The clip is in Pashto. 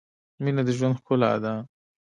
مینه د ژوند ښلا ده